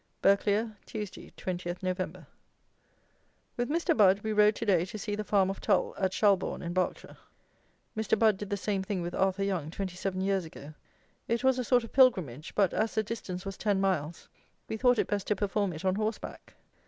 Burghclere, Tuesday, 20 Nov. With Mr. Budd, we rode to day to see the Farm of Tull, at Shalborne, in Berkshire. Mr. Budd did the same thing with Arthur Young twenty seven years ago. It was a sort of pilgrimage; but as the distance was ten miles, we thought it best to perform it on horseback.